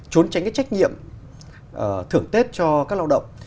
trốn tránh cái trách nhiệm thưởng tết cho các lao động